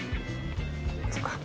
そっか。